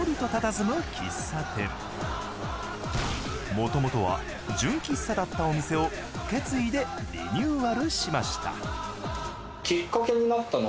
もともとは純喫茶だったお店を受け継いでリニューアルしました。